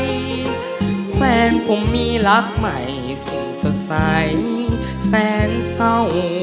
แฟนผมมีรักใหม่สิ่งสดใสแสนเศร้า